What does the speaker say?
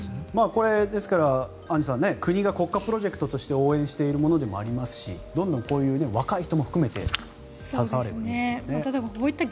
これ、アンジュさん国が国家プロジェクトとして応援しているものでもありますしどんどんこういう若い人も含めて携われたらいいですね。